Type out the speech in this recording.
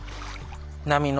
波の。